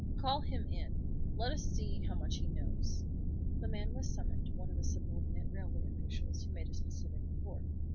Call him in; let us see how much he knows." The man was summoned, one of the subordinate railway officials, who made a specific report.